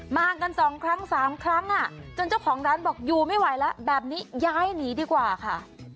มากันสองครั้งสามครั้งจนเจ้าของร้านบอกอยู่ไม่ไหวแล้วแบบนี้ย้ายหนีดีกว่าค่ะ